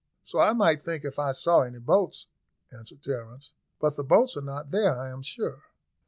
"So I might think if I saw any boats," answered Terence. "But the boats are not there, I am sure."